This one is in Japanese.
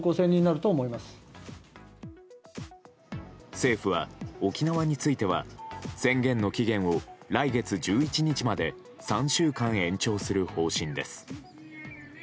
政府は、沖縄については宣言の期限を来月１１日まで３週間延長する方針です。